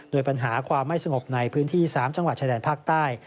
โดยปัญหาความไม่สงบในพื้นที่๓จังหวัดชายแดนภาคใต้